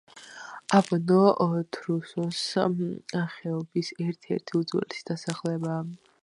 აბანო თრუსოს ხეობის ერთ-ერთი უძველესი დასახლებაა.